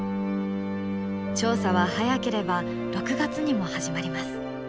調査は早ければ６月にも始まります。